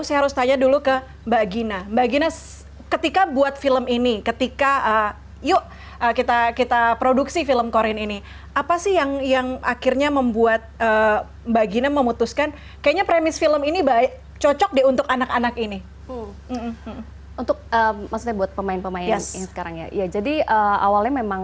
sosok makhluk mendamping manusia